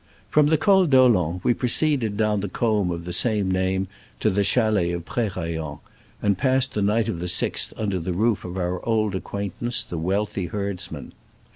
From the Col d'Olen we proceeded down the combe of the same name to the chalets of Prerayen, and passed the night of the 6th under the roof of our old acquaintance, the wealthy herds man.